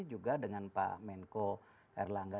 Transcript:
juga dengan pak menko erlangga